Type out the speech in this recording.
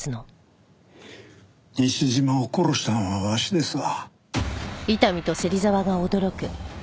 西島を殺したんはわしですわ。